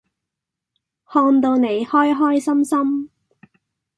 看到你開開心心